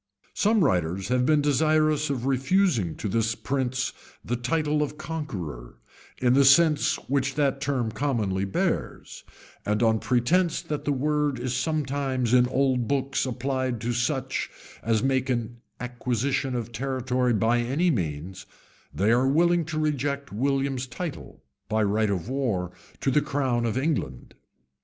Some writers have been desirous of refusing to this prince the title of conqueror, in the sense which that term commonly bears; and on pretence that the word is sometimes in old books applied to such as make an acquisition of territory by any means, they are willing to reject William's title, by right of war, to the crown of England.